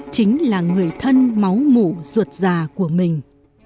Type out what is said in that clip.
chính là người thân máu mủ ruột già của mình